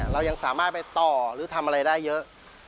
เรายังสามารถไปต่อหรือทำอะไรได้เยอะ